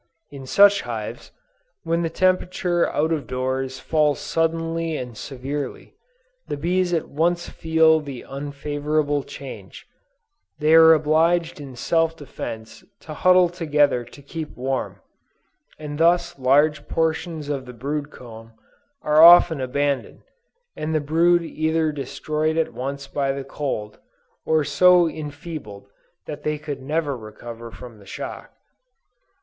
In such hives, when the temperature out of doors falls suddenly and severely, the bees at once feel the unfavorable change; they are obliged in self defence to huddle together to keep warm, and thus large portions of the brood comb are often abandoned, and the brood either destroyed at once by the cold, or so enfeebled that they never recover from the shock.